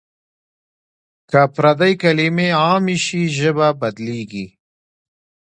که پردۍ کلمې عامې شي ژبه بدلېږي.